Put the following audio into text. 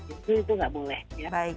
itu tidak boleh ya